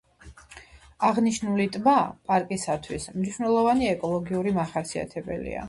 აღნიშნული ტბა პარკისათვის მნიშვნელოვანი ეკოლოგიური მახასიათებელია.